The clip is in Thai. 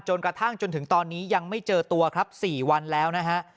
กระทั่งจนถึงตอนนี้ยังไม่เจอตัวครับ๔วันแล้วนะฮะ